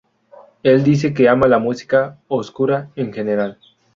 Él dice que ama la música "oscura" en general.